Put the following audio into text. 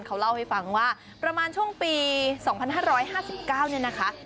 เขาเล่าให้ฟังว่าประมาณช่วงปี๒๕๕๙เนี่ยนะคะ